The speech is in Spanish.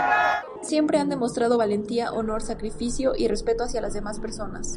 Siempre han demostrado valentía, honor, sacrificio y respeto hacia las demás personas.